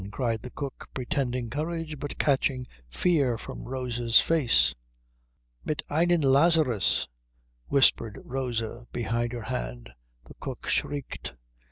cried the cook, pretending courage but catching fear from Rosa's face. "Mit einem Lazarus," whispered Rosa, behind her hand. The cook shrieked.